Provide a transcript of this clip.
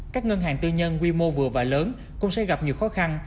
các ngân hàng tư nhân quy mô vừa và lớn cũng sẽ gặp nhiều khó khăn